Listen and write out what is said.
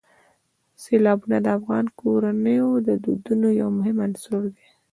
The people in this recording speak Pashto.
سیلابونه د افغان کورنیو د دودونو یو مهم عنصر دی.